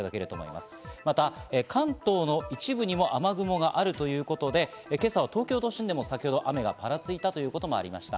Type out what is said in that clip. また関東の一部にも雨雲があるということで、今朝は東京都心でも先ほど雨がぱらついたということもありました。